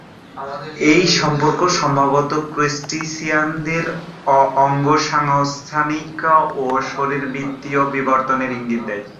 এই সম্পর্ক সম্ভবত ক্রাস্টেসিয়ানদের অঙ্গসংস্থানিক ও শারীরবৃত্তীয় বিবর্তনের ইঙ্গিত দেয়।